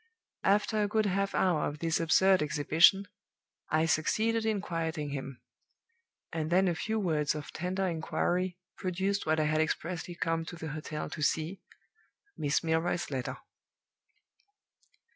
After a good half hour of this absurd exhibition, I succeeded in quieting him; and then a few words of tender inquiry produced what I had expressly come to the hotel to see Miss Milroy's letter.